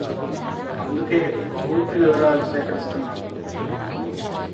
అందుకే పూర్తి వివరాలు సేకరిస్తున్నాము